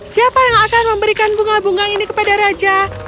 siapa yang akan memberikan bunga bunga ini kepada raja